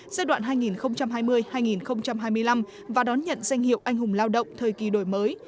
giai đoạn hai nghìn hai mươi hai nghìn hai mươi năm và đón nhận danh hiệu anh hùng lao động thời kỳ đổi mới